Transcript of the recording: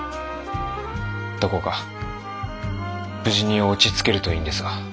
どこか無事に落ち着けるといいんですが。